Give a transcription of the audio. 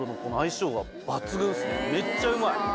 めっちゃうまい。